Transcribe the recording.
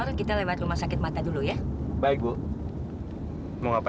dewi gak tahu dewi gimana